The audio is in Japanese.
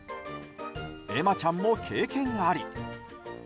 エマちゃんも経験あり。